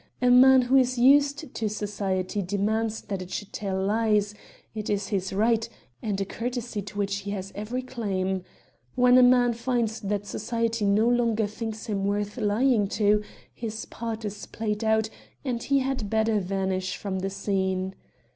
A man who is used to society demands that it should tell lies, it is his right, and a courtesy to which he has every claim. When a man finds that society no longer thinks him worth lying to his part is played out and he had better vanish from the scene.